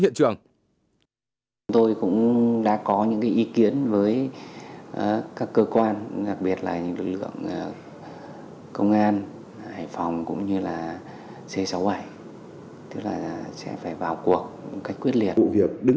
truyền thông thị trường